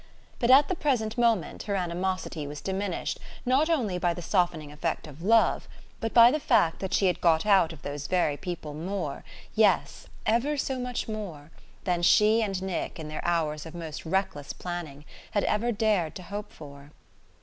But at the present moment her animosity was diminished not only by the softening effect of love but by the fact that she had got out of those very people more yes, ever so much more than she and Nick, in their hours of most reckless planning, had ever dared to hope for.